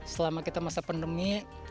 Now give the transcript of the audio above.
selama kita masa pandemi